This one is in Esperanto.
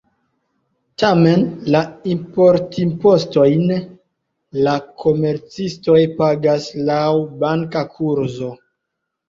Tamen, la importimpostojn la komercistoj pagas laŭ banka kurzo.